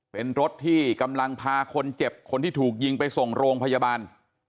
เป็นรถที่กำลังพาคนเจ็บคนที่ถูกยิงไปส่งโรงพยาบาล